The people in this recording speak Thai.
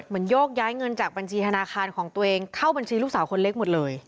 โยกย้ายเงินจากบัญชีธนาคารของตัวเองเข้าบัญชีลูกสาวคนเล็กหมดเลย